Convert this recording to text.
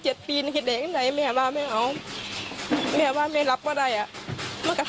อายุ๑๐ปีนะฮะเขาบอกว่าเขาก็เห็นถูกยิงนะครับ